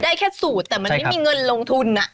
แค่สูตรแต่มันไม่มีเงินลงทุน